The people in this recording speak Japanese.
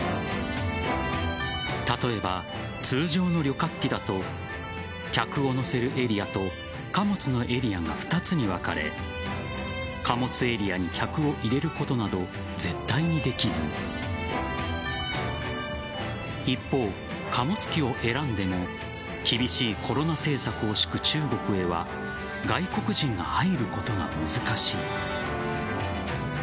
例えば、通常の旅客機だと客を乗せるエリアと貨物のエリアが２つに分かれ貨物エリアに客を入れることなど絶対にできず一方、貨物機を選んでも厳しいコロナ政策を敷く中国へは外国人が入ることが難しい。